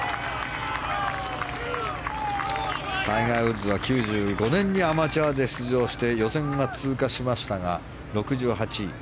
タイガー・ウッズは９５年にアマチュアで出場して予選は通過しましたが６８位。